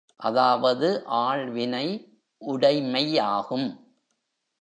அதாவது ஆள்வினை உடைமையாகும்.